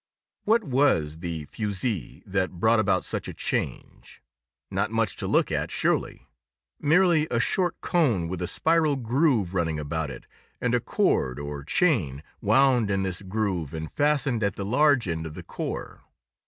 What was the fusee that brought about such a change? Not much to look at, surely—merely a short cone with a spiral groove running about it, and a cord, or chain, wound in this groove and fastened at the large end of the core.